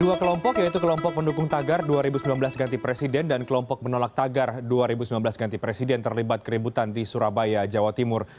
dua kelompok yaitu kelompok pendukung tagar dua ribu sembilan belas ganti presiden dan kelompok menolak tagar dua ribu sembilan belas ganti presiden terlibat keributan di surabaya jawa timur